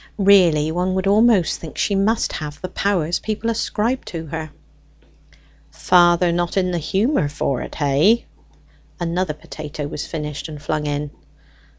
Really, one would almost think she must have the powers people ascribed to her. "Father not in the humour for't, hey?" Another potato was finished and flung in.